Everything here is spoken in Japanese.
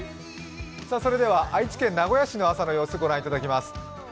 それでは愛知県名古屋市の朝の様子を御覧いただきます。